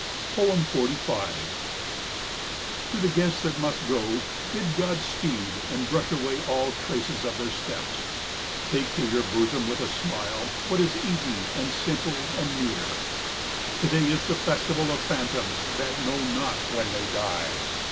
45 To the guests that must go bid God's speed and brush away all traces of their steps. Take to your bosom with a smile what is easy and simple and near. To day is the festival of phantoms that know not when they die.